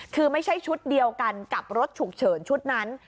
คือไม่ใช่ชุดเดียวกันกับรถฉุกเฉินชุดนั้น